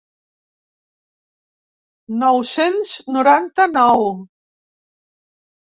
Nou-cents noranta-nou.